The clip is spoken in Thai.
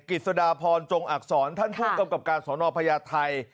กิจสดาพรจงอักษรท่านผู้กำกับการสอนอพญาไทย